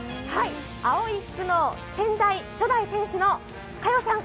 青い服の先代、初代店主のカヨさん